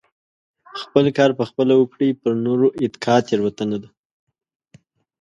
خپل کار په خپله وکړئ پر نورو اتکا تيروتنه ده .